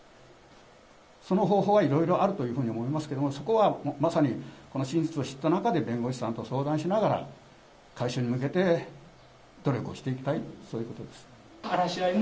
その方法はいろいろあるというふうに思いますけれども、そこはまさに、この真実を知った中で弁護士さんと相談しながら、回収に向けて努力をしていきたい、そういうことです。